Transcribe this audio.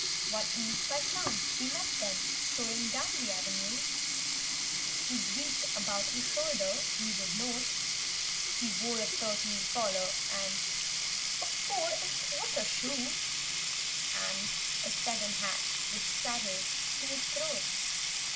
8i One eve (by chance) we met them, strolling down the avenue; He'd reach about her shoulder, we would note He wore a thirteen collar and a four'n' a quarter shoe. And a seven hat would straddle to his throat.